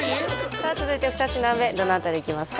さあ続いて二品目どの辺りいきますか？